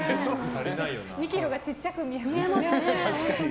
２ｋｇがちっちゃく見えますね。